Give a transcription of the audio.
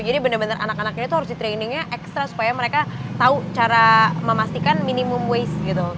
jadi bener bener anak anaknya tuh harus di trainingnya ekstra supaya mereka tau cara memastikan minimum waste gitu